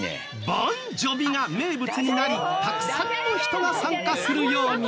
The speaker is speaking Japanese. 「盆ジョヴィ」が名物になりたくさんの人が参加するように。